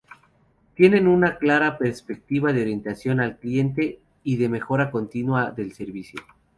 Tienen una clara perspectiva de orientación al cliente y de mejora continua del servicio.